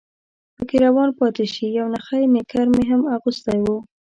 پکې روان پاتې شي، یو نخی نیکر مې هم اغوستی و.